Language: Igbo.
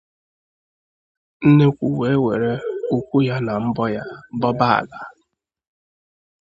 nnekwu wee were ụkwụ ya na mbọ ya bọba ala